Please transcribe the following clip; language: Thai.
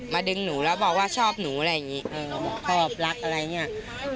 ดึงหนูแล้วบอกว่าชอบหนูอะไรอย่างนี้ชอบรักอะไรอย่างนี้